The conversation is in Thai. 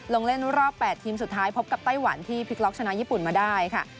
ลงเล่นรอบ๘ทีมสุดท้ายพบกับไต้หวันที่พลิกล็อกชนะญี่ปุ่นมาได้ค่ะ